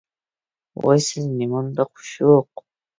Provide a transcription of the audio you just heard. ۋاي سىز نېمانداق ئۇششۇق!